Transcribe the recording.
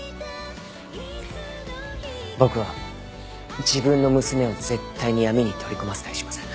僕は自分の娘を絶対に闇に取り込ませたりしません。